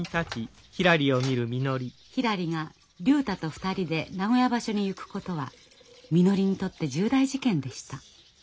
ひらりが竜太と二人で名古屋場所に行くことはみのりにとって重大事件でした。